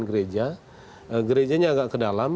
gereja gerejanya agak ke dalam